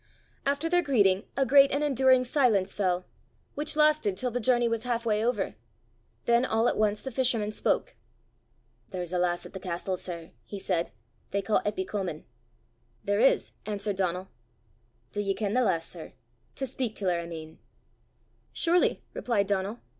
After their greeting a great and enduring silence fell, which lasted till the journey was half way over; then all at once the fisherman spoke. "There's a lass at the castel, sir," he said, "they ca' Eppy Comin." "There is," answered Donal. "Do ye ken the lass, sir to speyk til her, I mean?" "Surely," replied Donal.